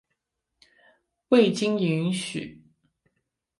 未经允许